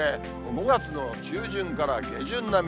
５月の中旬から下旬並み。